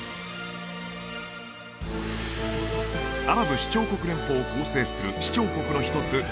アラブ首長国連邦を構成する首長国の一つ